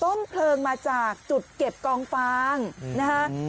ต้นเพลิงมาจากจุดเก็บกองฟางนะฮะ